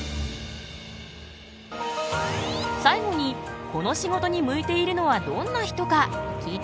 最後にこの仕事に向いているのはどんな人か聞いてみた。